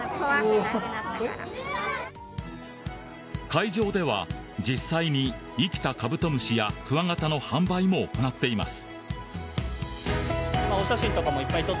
会場では実際に生きたカブトムシやクワガタの販売も行っています。